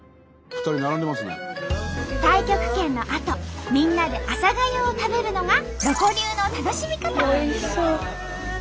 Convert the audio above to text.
太極拳のあとみんなで朝がゆを食べるのがロコ流の楽しみ方。